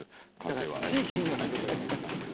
だから地域には住んでたじゃないですか。